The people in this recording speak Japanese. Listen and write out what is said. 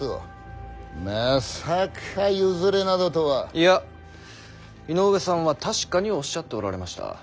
いや井上さんは確かにおっしゃっておられました。